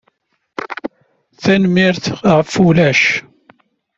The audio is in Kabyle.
Tanemmirt ɣef wulac.